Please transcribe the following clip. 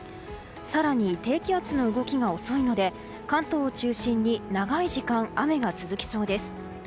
更に、低気圧の動きが遅いので関東を中心に長い時間、雨が続きそうです。